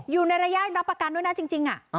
อยู่ในระยะรับประกันด้วยนะจริง